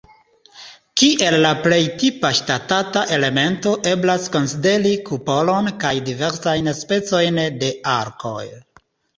Kiel la plej tipa ŝatata elemento eblas konsideri kupolon kaj diversajn specojn de arkoj.